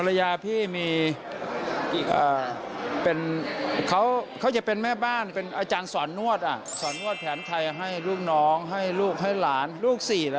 ฮัลยาพี่มีเป็นเขาจะเป็นแม่บ้านอาจารย์สสอนโน้ตสสอนโน้ตแผ่นใครให้ลูกน้องให้ลูกให้หลานลูกสี่ละ